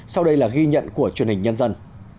sau đây là ghi nhận của truyền hình nhân dân